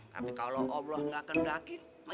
tapi kalau allah nggak kendakin